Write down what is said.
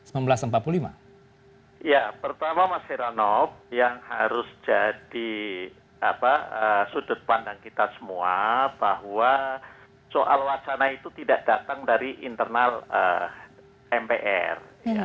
ya pertama mas heranov yang harus jadi sudut pandang kita semua bahwa soal wacana itu tidak datang dari internal mpr